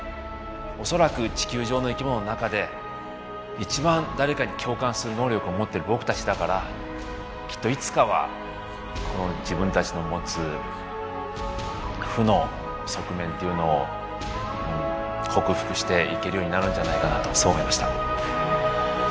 恐らく地球上の生き物の中で一番誰かに共感する能力を持ってる僕たちだからきっといつかはこの自分たちの持つ負の側面っていうのを克服していけるようになるんじゃないかなとそう思いました。